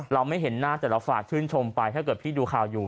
ไม่เห็นหน้าแต่เราฝากชื่นชมไปถ้าเกิดพี่ดูข่าวอยู่